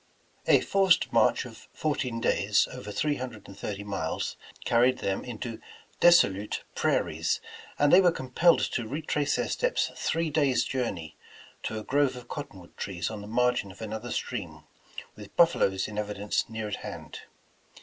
A forced march of fourteen days, over three hun dred and thirty miles, carried them into desolute prai ries, and they were compelled to retrace their steps three days' journey, to a grove of cottonwood trees on the margin of another stream, with buffaloes in evi dence near at hand.